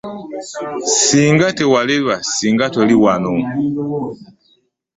Ssinga tewalerwa ssinga toli awo.